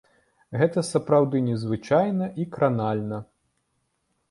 Гэта сапраўды незвычайна і кранальна.